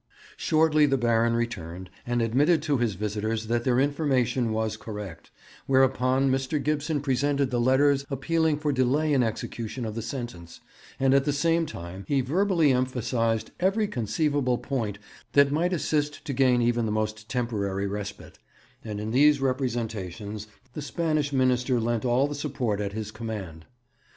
Shortly the Baron returned and admitted to his visitors that their information was correct, whereupon Mr. Gibson presented the letters appealing for delay in execution of the sentence, and at the same time he verbally emphasized every conceivable point that might assist to gain even the most temporary respite; and in these representations the Spanish Minister lent all the support at his command.